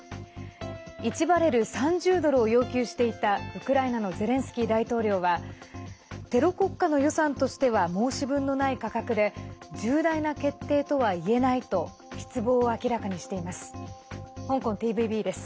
１バレル＝３０ドルを要求していた、ウクライナのゼレンスキー大統領はテロ国家の予算としては申し分のない価格で重大な決定とはいえないと失望を明らかにしています。